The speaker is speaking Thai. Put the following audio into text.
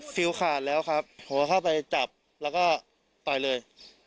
ฟิลขาดแล้วครับผมก็เข้าไปจับแล้วก็ต่อยเลย